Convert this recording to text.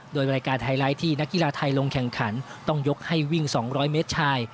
โดยรายการไฮไลท์ที่นักกีฬาไทยลงแข่งขันต้องยกให้วิ่ง๒๐๐เมตรชาย